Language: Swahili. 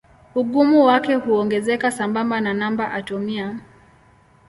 Ugumu wake huongezeka sambamba na namba atomia.